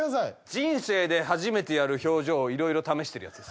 人生で初めてやる表情をいろいろ試してるヤツです。